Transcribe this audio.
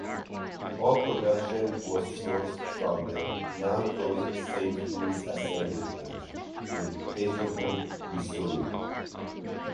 All production was sourced from the now-closed Saint Louis Assembly Plant in Hazelwood, Missouri.